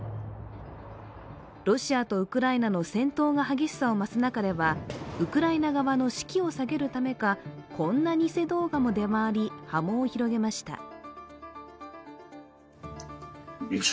ロシアとウクライナの戦闘が激しさを増す中ではウクライナ側の士気を下げるためかこんな偽動画も出回り波紋を広げました。